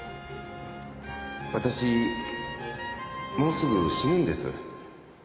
私もうすぐ死ぬんです。